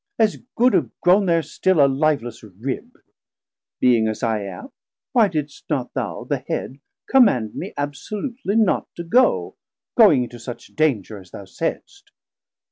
As good have grown there still a liveless Rib. Being as I am, why didst not thou the Head Command me absolutely not to go, Going into such danger as thou saidst?